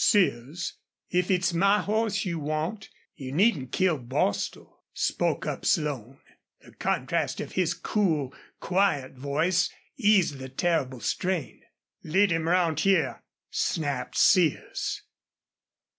"Sears, if it's my horse you want you needn't kill Bostil," spoke up Slone. The contrast of his cool, quiet voice eased the terrible strain. "Lead him round hyar!" snapped Sears.